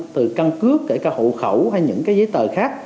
từ căn cước kể cả hộ khẩu hay những cái giấy tờ khác